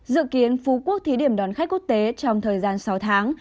dự kiến phú quốc thí điểm đón khách quốc tế trong thời gian sáu tháng